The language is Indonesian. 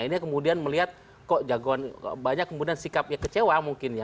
ini kemudian melihat kok jagoan banyak kemudian sikapnya kecewa mungkin ya